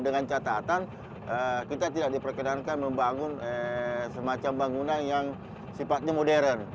dengan catatan kita tidak diperkenankan membangun semacam bangunan yang sifatnya modern